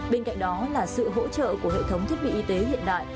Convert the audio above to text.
bên cạnh đó là sự hỗ trợ của hệ thống thiết bị y tế hiện đại